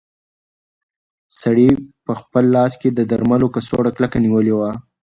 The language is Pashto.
سړي په خپل لاس کې د درملو کڅوړه کلکه نیولې وه.